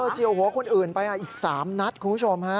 เชียวหัวคนอื่นไปอีก๓นัดคุณผู้ชมฮะ